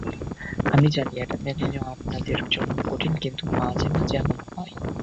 আমি জানি এটা মেনে নেওয়া আপনাদের জন্য কঠিন, কিন্তু মাঝেমাঝে এমন হয়।